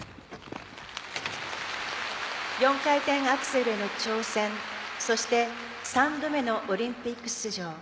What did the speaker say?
４回転アクセルへの挑戦そして３度目のオリンピック出場。